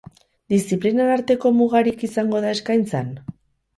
Diziplinen arteko mugarik izango da eskaintzan?